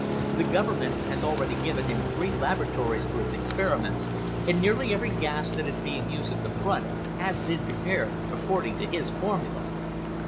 The Government has already given him three laboratories for his experiments, and nearly every gas that is being used at the Front has been prepared according to his formula."